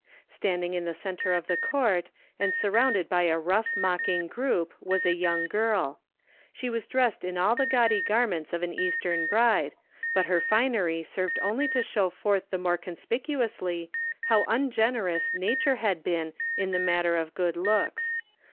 Standing in the centre of the court, and surrounded by a rough mocking group, was a young girl. She was dressed in all the gaudy garments of an Eastern Bride, but her finery served only to show forth the more conspicuously how ungenerous Nature had been in the matter of good looks.